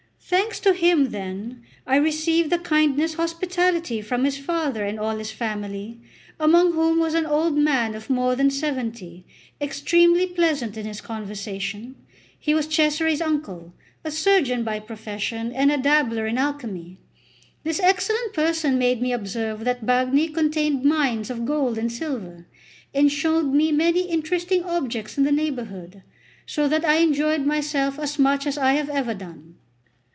Thanks to him, then, I received the kindest hospitality from his father and all his family, among whom was an old man of more than seventy, extremely pleasant in his conversation. He was Cesare's uncle, a surgeon by profession, and a dabbler in alchemy. This excellent person made me observe that the Bagni contained mines of gold and silver, and showed me many interesting objects in the neighbourhood; so that I enjoyed myself as much as I have ever done.